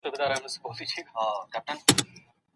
زه به اوږده موده کتابتون ته تللی وم.